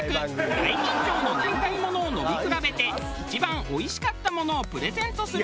大吟醸の年代ものを飲み比べて一番おいしかったものをプレゼントする事に。